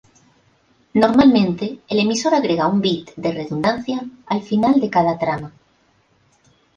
Normalmente el emisor agrega un bit de redundancia al final de cada trama.